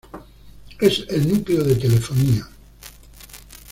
Es el núcleo de telefonía.